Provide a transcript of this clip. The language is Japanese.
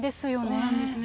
そうなんですね。